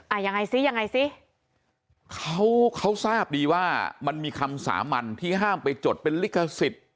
ยังไงซิยังไงซิเขาเขาทราบดีว่ามันมีคำสามัญที่ห้ามไปจดเป็นลิขสิทธิ์